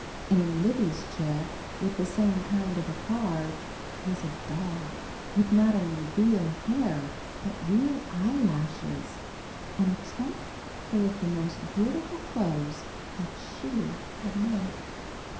And in Libby's chair with the same kind of a card was a doll, with not only real hair, but real eyelashes, and a trunk full of the most beautiful clothes that She had made.